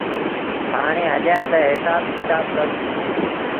هآڻي هليآ تا هسآب ڪتآب ڪرون